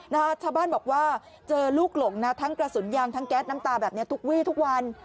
ชาวบ้านบอกว่าเจอลูกหลงนะทั้งกระสุนยางทั้งแก๊สน้ำตาแบบนี้ทุกวี่ทุกวัน